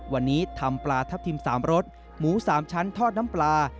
วันนี้ทำปลาทับทิม๓รสหมู๓ชั้นทอดน้ำปลา